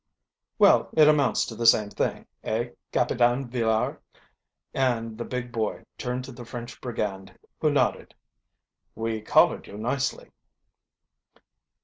"Well, it amounts to the same thing, eh, Capitan Villaire?" and the big boy turned to the French brigand, who nodded. "We collared you nicely."